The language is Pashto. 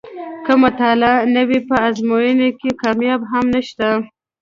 که مطالعه نه وي په ازموینو کې کامیابي هم نشته.